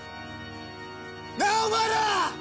なあお前ら！